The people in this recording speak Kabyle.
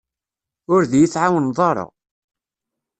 Ur d-iyi-tɛawneḍ ara.